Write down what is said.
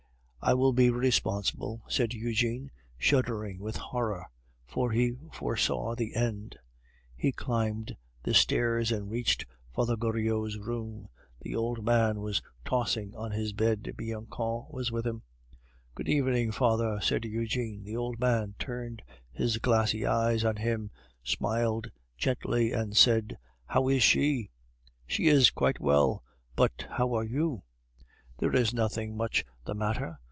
"I will be responsible," said Eugene, shuddering with horror, for he foresaw the end. He climbed the stairs and reached Father Goriot's room. The old man was tossing on his bed. Bianchon was with him. "Good evening, father," said Eugene. The old man turned his glassy eyes on him, smiled gently, and said: "How is she?" "She is quite well. But how are you?" "There is nothing much the matter."